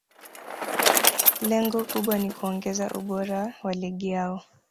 lengo kubwa ni kuongeza ubora wa ligi yao